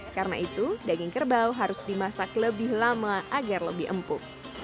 karena itu daging kerbau harus dimasak lebih lama agar lebih empuk